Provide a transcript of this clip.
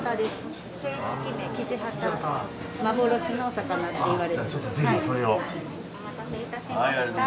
お待たせいたしました。